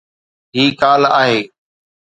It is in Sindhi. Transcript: هي ڪالهه آهي.